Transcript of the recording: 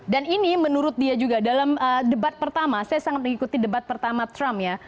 dan ini menurut dia juga dalam debat pertama saya sangat mengikuti debat pertama trump ya